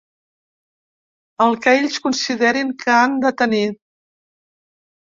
El que ells considerin que han de tenir.